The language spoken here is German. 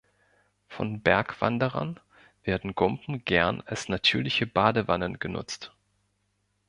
Von Bergwanderern werden Gumpen gern als natürliche „Badewannen“ genutzt.